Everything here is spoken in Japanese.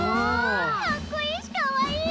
かっこいいしかわいい！